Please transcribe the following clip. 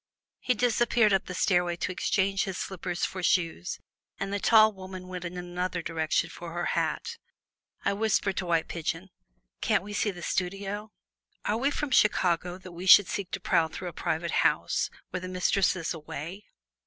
He disappeared up the stairway to exchange his slippers for shoes, and the tall woman went in another direction for her hat. I whispered to White Pigeon, "Can't we see the studio?" "Are we from Chicago, that we should seek to prowl through a private house, when the mistress is away?